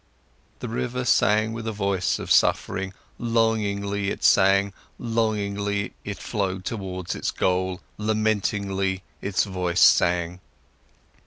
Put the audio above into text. The river sang with a voice of suffering, longingly it sang, longingly, it flowed towards its goal, lamentingly its voice sang.